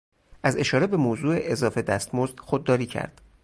از اشاره به موضوع اضافه دستمزد خودداری کرد.